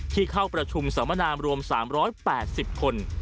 เข้าประชุมสัมมนามรวม๓๘๐คน